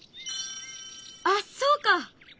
あっそうか！